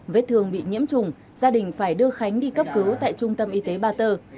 vết thương bị nhiễm trùng gia đình phải đưa khánh đi cấp cứu tại trung tâm y tế ba tơ